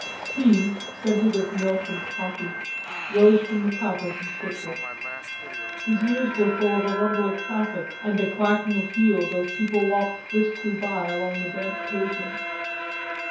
Steam, scented of milk and coffee, rose from the cup as he sipped from it. His ears were full of a rumble of traffic and a clacking of heels as people walked briskly by along the damp pavements.